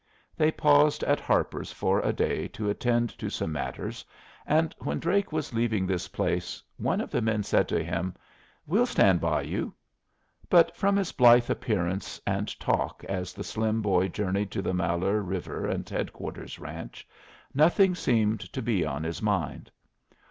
They paused at Harper's for a day to attend to some matters, and when Drake was leaving this place one of the men said to him: "We'll stand by you." But from his blithe appearance and talk as the slim boy journeyed to the Malheur River and Headquarter ranch, nothing seemed to be on his mind.